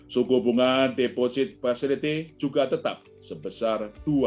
suku bunga deposit facility juga tetap sebesar dua tujuh puluh lima